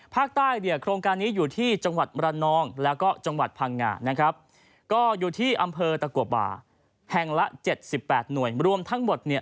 ภาคใต้โครงการนี้อยู่ที่จังหวัดมรนองแล้วก็จังหวัดพังงา